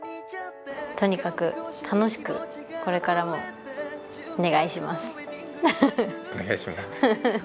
とにかく楽しく、これからもお願いします。